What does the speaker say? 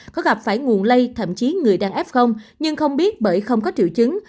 có gặp phải nguồn lây thậm chí người đang f nhưng không biết bởi không có triệu chứng